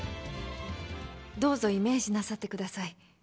どうぞイメージなさってください。